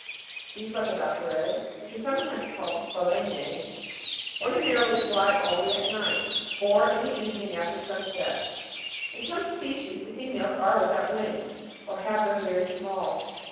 These lepidop' terae, which are sometimes called phaloense, ordinarily fly only at night or in the evening after sunset ; in some species the females are without wings, or have them very small.